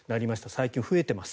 最近増えています。